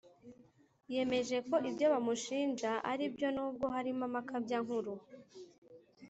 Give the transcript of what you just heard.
Yemeje ko ibyo bamushinja aribyo nubwo harimo amakabya nkuru